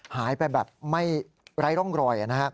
หายไปแบบไม่ไร้ร่องรอย